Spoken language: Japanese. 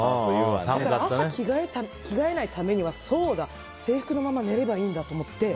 朝着替えないためには、そうだ制服のまま寝ればいいんだと思って。